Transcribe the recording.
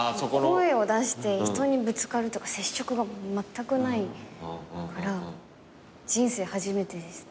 声を出して人にぶつかるとか接触がまったくないから人生初めてです。